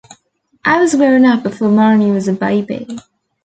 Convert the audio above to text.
I was grown-up before Marnie was a baby.